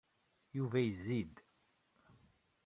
Yuba yezzi-d.